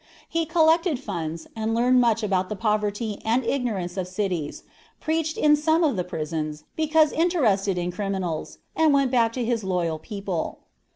He collected funds, learned much about the poverty and ignorance of cities, preached in some of the prisons, because interested in criminals, and went back to his loyal people.